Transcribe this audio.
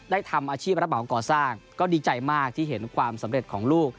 ทำอาชีพรับเหมาก่อสร้างก็ดีใจมากที่เห็นความสำเร็จของลูก